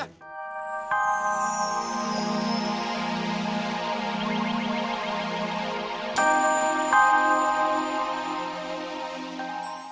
ah mulau lah gila